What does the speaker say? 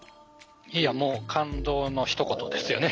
いやもう感動のひと言ですよね。